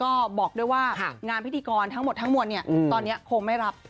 ก็บอกด้วยว่างานพิธีกรทั้งหมดทั้งมวลเนี่ยตอนนี้คงไม่รับ